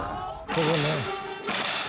ここね。